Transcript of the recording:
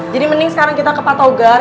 jadi mending sekarang kita ke patogar